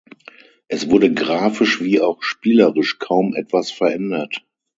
Es wurde grafisch wie auch spielerisch kaum etwas verändert.